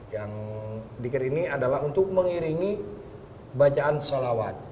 yang diker ini adalah untuk mengiringi bacaan salawat